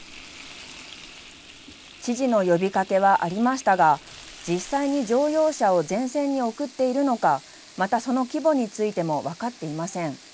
知事の呼びかけはありましたが実際に乗用車を前線に送っているのかまた、その規模についても分かっていません。